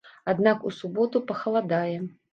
Аднак у суботу пахаладае.